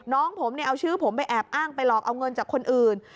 น้องผมเนี่ยเอาชื่อผมไปแอบอ้างไปหลอกเอาเงินจากคนอื่น